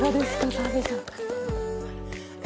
澤部さん。